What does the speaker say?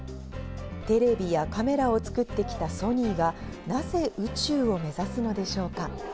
テレビやカメラを作ってきたソニーが、なぜ宇宙を目指すのでしょ